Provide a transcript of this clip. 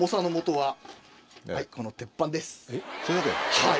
はい。